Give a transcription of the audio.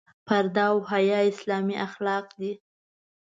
پرده او حیا اسلامي اخلاق دي.